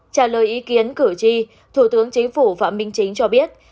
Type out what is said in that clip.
trả lời ý kiến cử tri thủ tướng chính phủ phạm minh chính cho biết